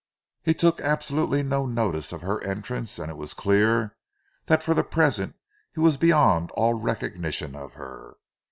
He took absolutely no notice of her entrance and it was clear that for the present he was beyond all recognition of her.